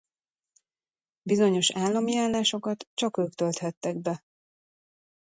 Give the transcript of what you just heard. Bizonyos állami állásokat csak ők tölthettek be.